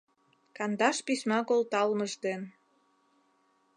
Кандаш письма колталмыж ден